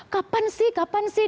kapan sih kapan sih